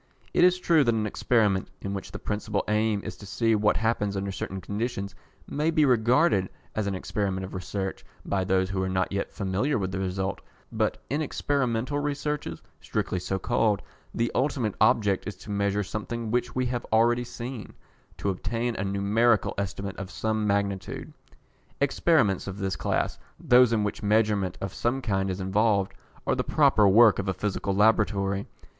It is true that an experiment, in which the principal aim is to see what happens under certain conditions, may be regarded as an experiment of research by those who are not yet familiar with the result, but in experimental researches, strictly so called, the ultimate object is to measure something which we have already seen to obtain a numerical estimate of some magnitude. Experiments of this class those in which measurement of some kind is involved, are the proper work of a Physical Laboratory.